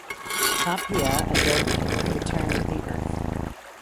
Tapia Adobe return to the earth.